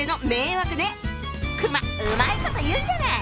熊うまいこと言うじゃない！